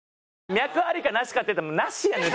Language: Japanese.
脈ありかなしかっていったらなしやねん！